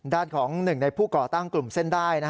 ด้านของหนึ่งในผู้ก่อตั้งกลุ่มเส้นได้